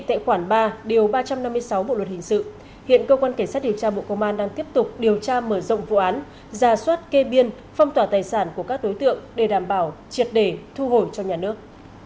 tại khoản ba điều ba trăm năm mươi sáu bộ luật hình sự hiện cơ quan cảnh sát điều tra bộ công an đang tiếp tục điều tra mở rộng vụ án giả soát kê biên phong tỏa tài sản của các đối tượng để đảm bảo triệt đề thu hồi cho nhà nước